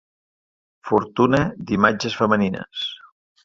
Fortuna d'imatges femenines.